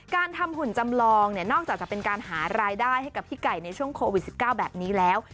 การทำหุ่นจำลองเนี่ยนอกจากจะเป็นการหารายได้ให้กับพี่ไก่ในช่วงโควิด๑๙แบบนี้แล้ว